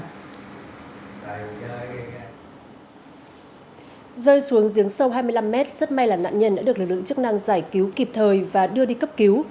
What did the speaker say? rơi xuống giếng sâu hai mươi năm mét rất may là nạn nhân đã được lực lượng chức năng giải cứu kịp thời và đưa đi cấp cứu